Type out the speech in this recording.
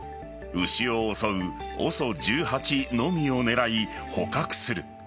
牛を襲うＯＳＯ１８のみを狙い捕獲する。